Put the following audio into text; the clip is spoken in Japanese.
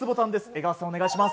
江川さん、お願いします。